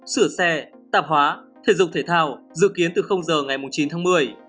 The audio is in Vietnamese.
sửa xe tạp hóa thể dục thể thao dự kiến từ giờ ngày chín tháng một mươi